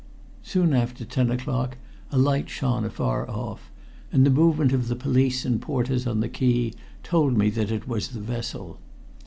Soon after ten o'clock a light shone afar off, and the movement of the police and porters on the quay told me that it was the vessel.